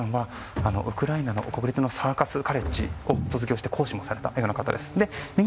ウクライナ国立のサーカスカレッジを卒業して、講師をされた方です。